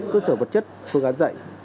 cơ sở vật chất phương án dạy